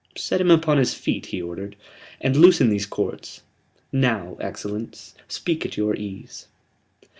"Set him upon his feet," he ordered, "and loosen these cords. Now, excellence, speak at your ease."